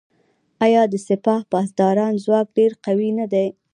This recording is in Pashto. آیا د سپاه پاسداران ځواک ډیر قوي نه دی؟